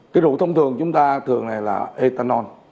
cái rượu thông thường chúng ta thường này là ethanol